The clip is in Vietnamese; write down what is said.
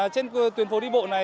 trên tuyến phố đi bộ này